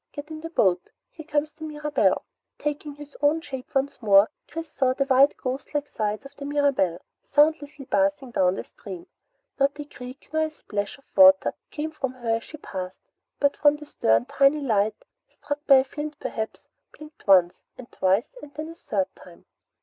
Get in the boat. Here comes the Mirabelle." Taking his own shape once more, Chris saw the white ghost like sides of the Mirabelle soundlessly passing down stream. Not a creak nor a splash of water came from her as she passed, but from the stern a tiny light, struck by a flint perhaps, blinked once, and twice, and then a third time.